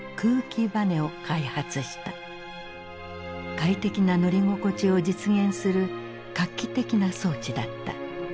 快適な乗り心地を実現する画期的な装置だった。